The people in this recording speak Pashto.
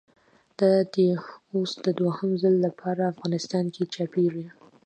دا دی اوس د دوهم ځل له پاره افغانستان کښي چاپېږي.